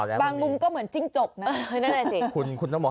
แล้วก็มีชาง